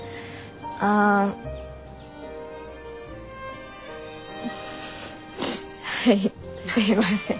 はいすいません。